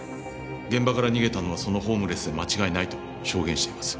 現場から逃げたのはそのホームレスで間違いないと証言しています。